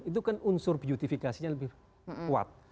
itu kan unsur beautifikasi nya lebih kuat